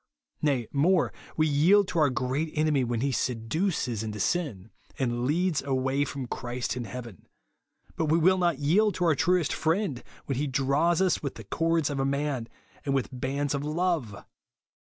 Nay more, we yield to our great enemy when he seduces into siu, and leads away from Christ and heaven ; but we will not yield to our truest friend, when he draws us with the cords of a man, and with bands of love